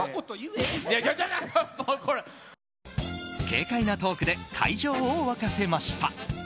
軽快なトークで会場を沸かせました。